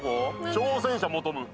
「挑戦者求ム」